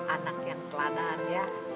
anak yang teladan ya